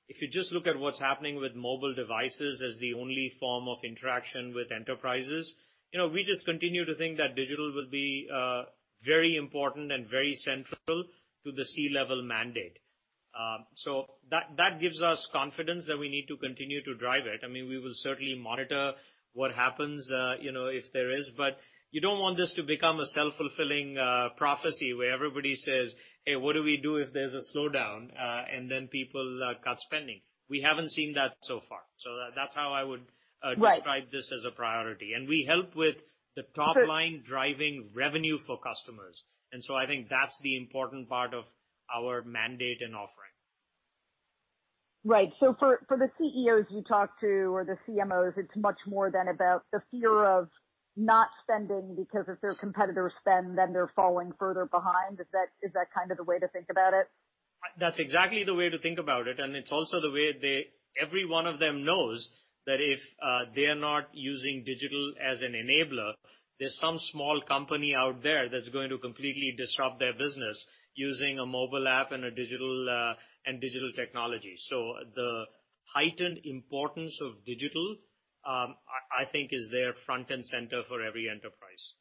If you just look at what is happening with mobile devices as the only form of interaction with enterprises, we just continue to think that digital will be very important and very central to the C-level mandate. That gives us confidence that we need to continue to drive it. We will certainly monitor what happens, if there is. You don't want this to become a self-fulfilling prophecy where everybody says, "Hey, what do we do if there is a slowdown." People cut spending. We haven't seen that so far. That is how I would- Right. -I would describe this as a priority. We help with the top line driving revenue for customers, I think that is the important part of our mandate and offering. Right. For the CEOs you talk to or the CMOs, it is much more than about the fear of not spending because if their competitors spend, then they are falling further behind. Is that kind of the way to think about it? That's exactly the way to think about it. It's also the way every one of them knows that if they are not using digital as an enabler, there's some small company out there that's going to completely disrupt their business using a mobile app and digital technology. The heightened importance of digital, I think is there front and center for every enterprise.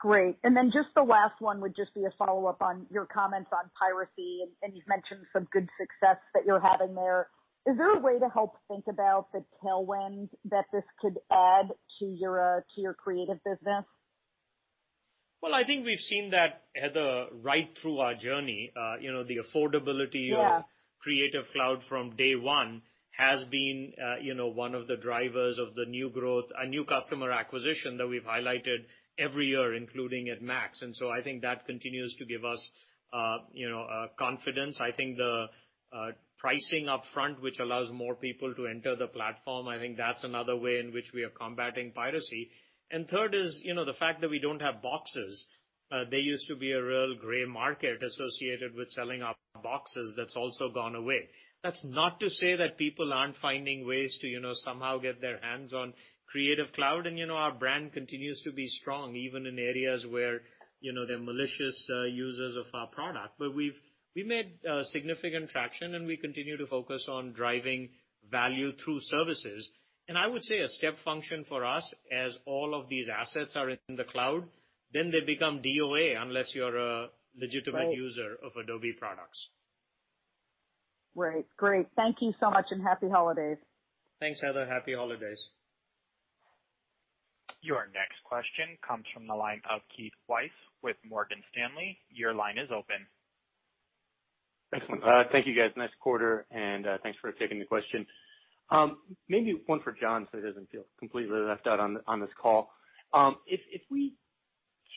Great. Then just the last one would just be a follow-up on your comments on piracy. You've mentioned some good success that you're having there. Is there a way to help think about the tailwind that this could add to your creative business? Well, I think we've seen that, Heather, right through our journey. The affordability- Yeah. -of Creative Cloud from day one has been one of the drivers of the new growth, new customer acquisition that we've highlighted every year, including at MAX. So I think that continues to give us confidence. I think the pricing up front, which allows more people to enter the platform, I think that's another way in which we are combating piracy. Third is the fact that we don't have boxes. There used to be a real gray market associated with selling our boxes that's also gone away. That's not to say that people aren't finding ways to somehow get their hands on Creative Cloud. Our brand continues to be strong, even in areas where there are malicious users of our product. We've made significant traction. We continue to focus on driving value through services. I would say a step function for us as all of these assets are in the cloud, then they become DOA unless you're a legitimate user- Right -of Adobe products. Right. Great. Thank you so much, and happy holidays. Thanks, Heather. Happy holidays. Your next question comes from the line of Keith Weiss with Morgan Stanley. Your line is open. Excellent. Thank you, guys. Nice quarter, and thanks for taking the question. Maybe one for John so he doesn't feel completely left out on this call. If we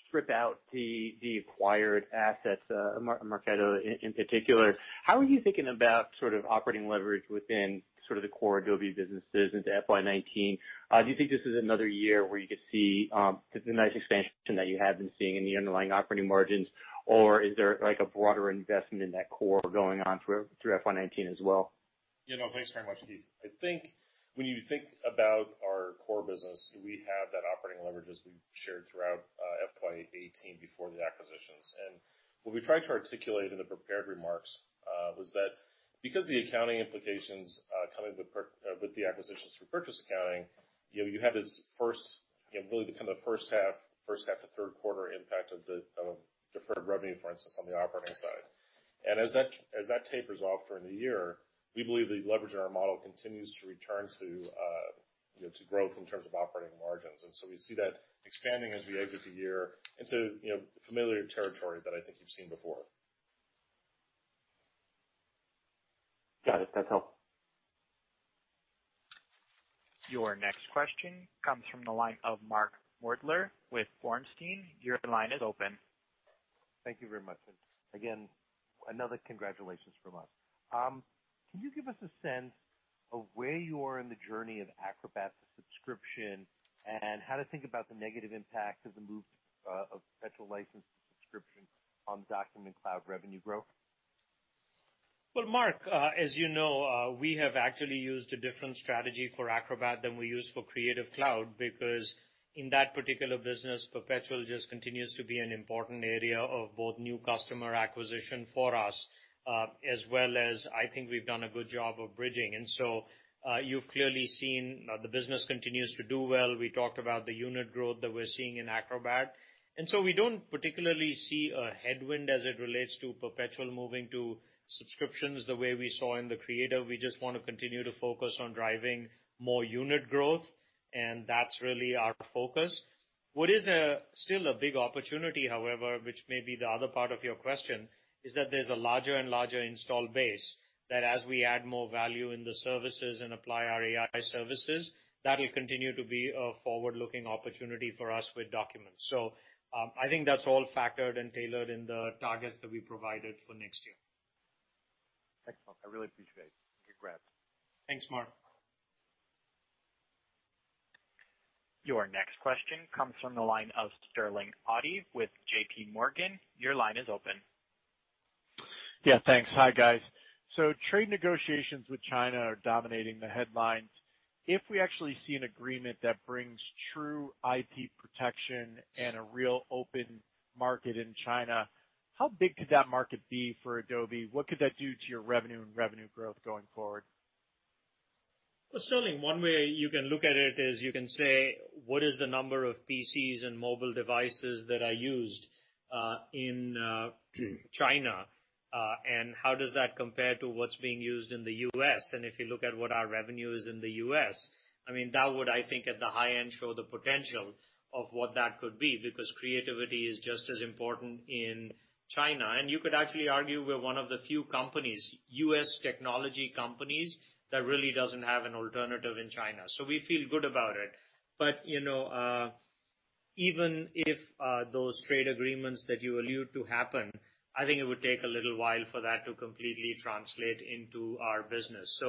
strip out the acquired assets, Marketo in particular, how are you thinking about sort of operating leverage within sort of the core Adobe businesses into FY 2019? Do you think this is another year where you could see the nice expansion that you have been seeing in the underlying operating margins, or is there a broader investment in that core going on through FY 2019 as well? Yeah, no, thanks very much, Keith. I think when you think about our core business, we have that operating leverage as we've shared throughout FY 2018 before the acquisitions. What we tried to articulate in the prepared remarks, was that because the accounting implications coming with the acquisitions through purchase accounting, you have this first half to third quarter impact of the deferred revenue, for instance, on the operating side. As that tapers off during the year, we believe the leverage in our model continues to return to growth in terms of operating margins. We see that expanding as we exit the year into familiar territory that I think you've seen before. Got it. That's helpful. Your next question comes from the line of Mark Moerdler with Bernstein. Your line is open. Thank you very much. Again, another congratulations from us. Can you give us a sense of where you are in the journey of Acrobat subscription, and how to think about the negative impact of the move of perpetual license to subscription on Document Cloud revenue growth? Well, Mark, as you know, we have actually used a different strategy for Acrobat than we used for Creative Cloud because in that particular business, perpetual just continues to be an important area of both new customer acquisition for us, as well as, I think we've done a good job of bridging. So you've clearly seen the business continues to do well. We talked about the unit growth that we're seeing in Acrobat, and so we don't particularly see a headwind as it relates to perpetual moving to subscriptions the way we saw in the Creative. We just want to continue to focus on driving more unit growth, and that's really our focus. What is still a big opportunity, however, which may be the other part of your question, is that there's a larger and larger install base, that as we add more value in the services and apply our AI services, that'll continue to be a forward-looking opportunity for us with Documents. I think that's all factored and tailored in the targets that we provided for next year. Excellent. I really appreciate it. Congrats. Thanks, Mark. Your next question comes from the line of Sterling Auty with J.P. Morgan. Your line is open. Yeah, thanks. Hi, guys. Trade negotiations with China are dominating the headlines. If we actually see an agreement that brings true IP protection and a real open market in China, how big could that market be for Adobe? What could that do to your revenue and revenue growth going forward? Well, Sterling, one way you can look at it is you can say, what is the number of PCs and mobile devices that are used in China, and how does that compare to what's being used in the U.S.? If you look at what our revenue is in the U.S., that would, I think, at the high end, show the potential of what that could be, because creativity is just as important in China. You could actually argue we're one of the few companies, U.S. technology companies, that really doesn't have an alternative in China. We feel good about it. Even if those trade agreements that you allude to happen, I think it would take a little while for that to completely translate into our business.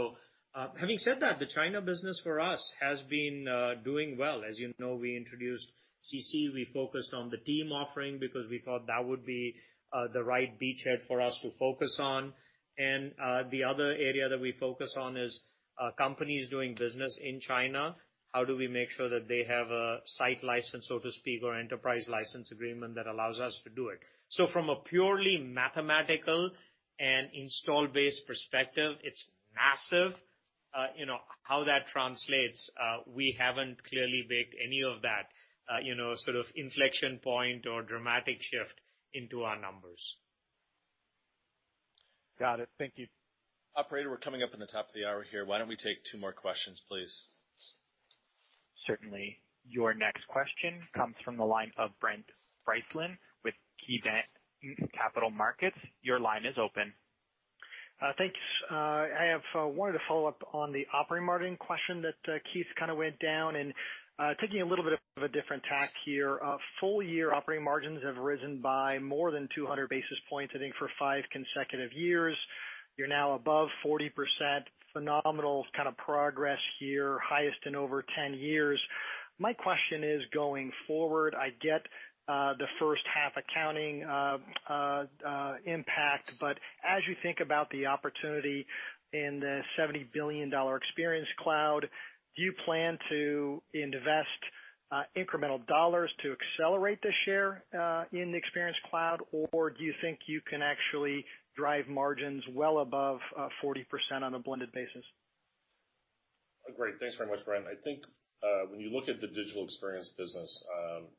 Having said that, the China business for us has been doing well. As you know, we introduced CC. We focused on the Team offering because we thought that would be the right beachhead for us to focus on. The other area that we focus on is companies doing business in China. How do we make sure that they have a site license, so to speak, or enterprise license agreement that allows us to do it? From a purely mathematical and install base perspective, it's massive. How that translates, we haven't clearly baked any of that sort of inflection point or dramatic shift into our numbers. Got it. Thank you. Operator, we're coming up on the top of the hour here. Why don't we take two more questions, please? Certainly. Your next question comes from the line of Brent Bracelin with KeyBanc Capital Markets. Your line is open. Thanks. I have wanted to follow up on the operating margin question that Keith kind of went down and, taking a little bit of a different tack here. Full-year operating margins have risen by more than 200 basis points, I think, for five consecutive years. You are now above 40%. Phenomenal kind of progress here. Highest in over 10 years. My question is, going forward, I get the first half accounting impact, but as you think about the opportunity in the $70 billion Experience Cloud, do you plan to invest incremental dollars to accelerate the share in Experience Cloud, or do you think you can actually drive margins well above 40% on a blended basis? Great. Thanks very much, Brent. I think when you look at the digital experience business,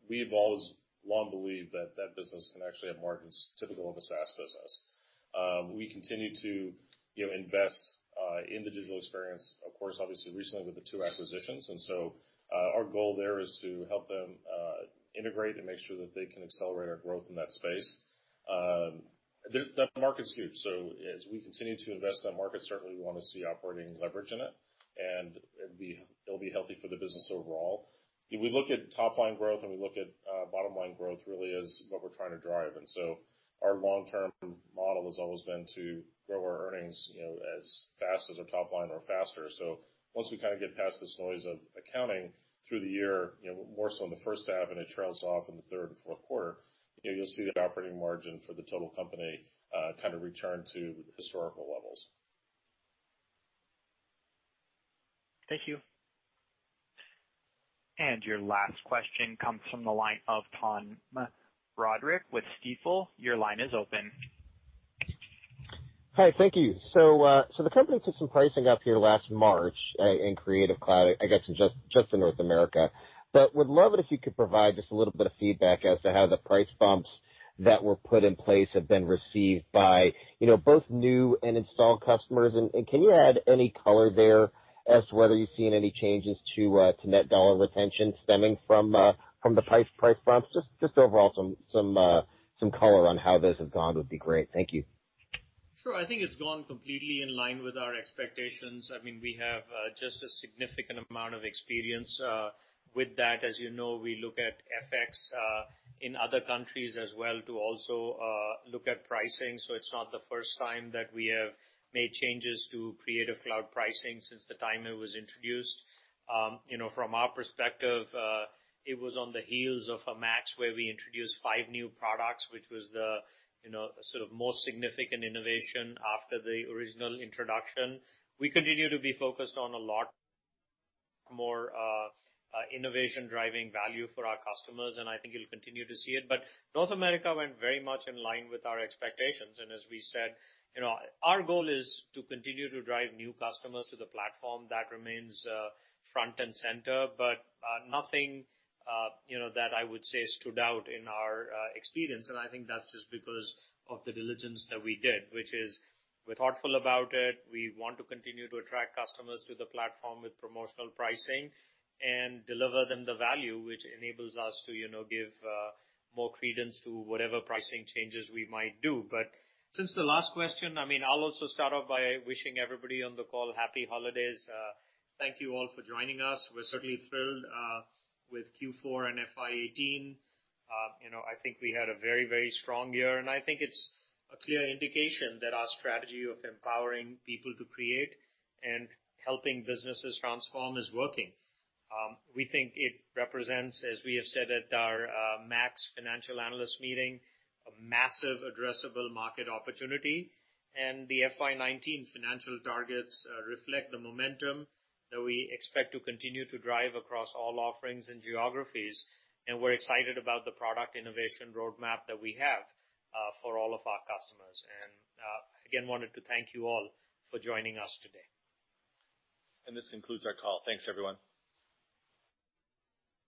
we have always long believed that that business can actually have margins typical of a SaaS business. We continue to invest in the digital experience, of course, obviously recently with the two acquisitions. Our goal there is to help them integrate and make sure that they can accelerate our growth in that space. That market's huge, so as we continue to invest in that market, certainly we want to see operating leverage in it, and it will be healthy for the business overall. We look at top line growth, and we look at bottom line growth really as what we are trying to drive. Our long-term model has always been to grow our earnings as fast as our top line or faster. Once we kind of get past this noise of accounting through the year, more so in the first half, and it trails off in the third and fourth quarter, you will see the operating margin for the total company kind of return to historical levels. Thank you. Your last question comes from the line of Tom Roderick with Stifel. Your line is open. Hi. Thank you. The company took some pricing up here last March in Creative Cloud, I guess just in North America. Would love it if you could provide just a little bit of feedback as to how the price bumps that were put in place have been received by both new and installed customers, and can you add any color there as to whether you've seen any changes to net dollar retention stemming from the price bumps? Overall some color on how those have gone would be great. Thank you. Sure. I think it's gone completely in line with our expectations. We have just a significant amount of experience with that. As you know, we look at FX in other countries as well to also look at pricing. It's not the first time that we have made changes to Creative Cloud pricing since the time it was introduced. From our perspective, it was on the heels of a MAX where we introduced five new products, which was the sort of most significant innovation after the original introduction. We continue to be focused on a lot more innovation-driving value for our customers, and I think you'll continue to see it. North America went very much in line with our expectations. As we said, our goal is to continue to drive new customers to the platform, that remains front and center, but nothing that I would say stood out in our experience. I think that's just because of the diligence that we did, which is we're thoughtful about it. We want to continue to attract customers to the platform with promotional pricing and deliver them the value which enables us to give more credence to whatever pricing changes we might do. Since the last question, I'll also start off by wishing everybody on the call happy holidays. Thank you all for joining us. We're certainly thrilled with Q4 and FY 2018. I think we had a very strong year, and I think it's a clear indication that our strategy of empowering people to create and helping businesses transform is working. We think it represents, as we have said at our MAX Financial Analyst Meeting, a massive addressable market opportunity. The FY 2019 financial targets reflect the momentum that we expect to continue to drive across all offerings and geographies. We're excited about the product innovation roadmap that we have for all of our customers. Again, wanted to thank you all for joining us today. This concludes our call. Thanks, everyone.